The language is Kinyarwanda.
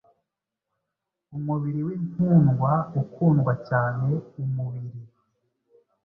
Umubiri winkundwa ukundwa cyane umubiri